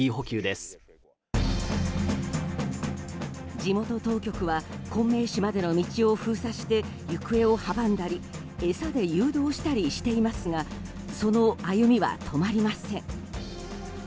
地元当局は昆明市までの道を封鎖して行方を阻んだり餌で誘導したりしていますがその歩みは止まりません。